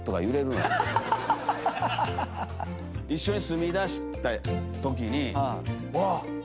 一緒に住みだしたときにわっ！